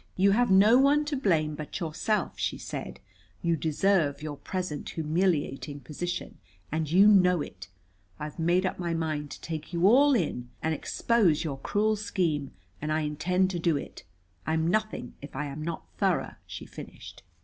"You have no one to blame but yourself," she said. "You deserve your present humiliating position, and you know it. I've made up my mind to take you all in and expose your cruel scheme, and I intend to do it. I'm nothing if I am not thorough," she finished.